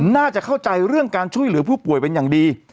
น่าจะเข้าใจเรื่องการช่วยเหลือผู้ป่วยเป็นอย่างดี